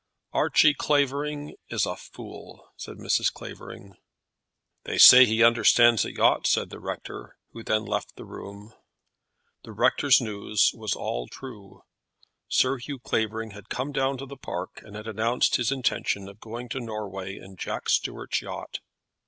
"Archie Clavering is a fool," said Mrs. Clavering. "They say he understands a yacht," said the rector, who then left the room. The rector's news was all true. Sir Hugh Clavering had come down to the Park, and had announced his intention of going to Norway in Jack Stuart's yacht.